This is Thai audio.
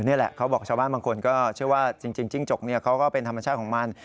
นี่แหละเขาบอกชาวบ้านบางคนก็เชื่อว่าจริงจิ้งจกเขาก็เป็นธรรมชาติของมัน